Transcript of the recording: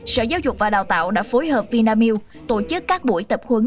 sở giáo dục và đào tạo đã phối hợp vinamilk tổ chức các buổi tập huấn